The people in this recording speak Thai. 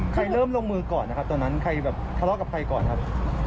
ใครเริ่มลงมือก่อนนะครับตอนนั้นใครแบบทะเลาะกับใครก่อนครับ